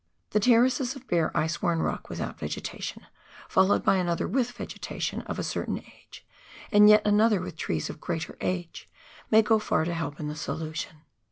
The terraces of bare ice worn rock without vegetation, followed by another with vegetation of a certain age, and yet another with trees of greater age, may go far to help in the solution.